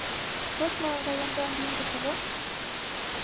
— Шочмо райондан лӱмжӧ кузе?